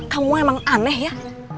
kamu emang aneh ya